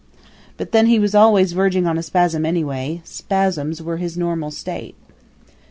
But then he was always verging on a spasm anyway spasms were his normal state.